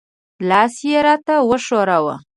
لاس یې را ته وښوراوه.